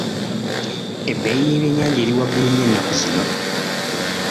Ebbeeyi y'ebyennyanja eri waggulu nnyo ennaku zino.